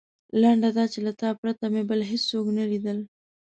لنډه دا چې له تا پرته مې بل هېڅوک نه لیدل.